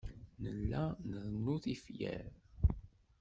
Nella nrennu tifyar.